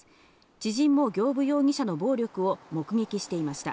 知人も行歩容疑者の暴力を目撃していました。